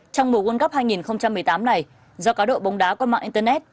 trong mùa quân cắp hai nghìn một mươi tám này do cá độ bóng đá qua mạng internet